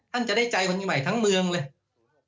ท่านจะได้ใจคนใหม่ทั้งเมืองเลย